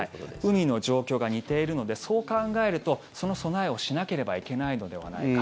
海の状況が似ているのでそう考えるとその備えをしなければいけないのではないか。